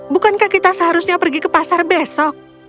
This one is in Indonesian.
bukankah kita seharusnya pergi ke pasar besok